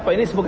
jadi nggak ada